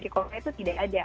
orang orang lain itu tidak ada